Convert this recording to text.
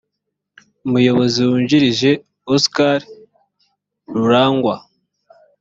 umuyobozi wungirije oscar rurangwa